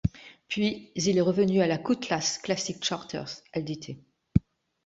Puis il est revendu à la Cutlass Classic Charters Ldt.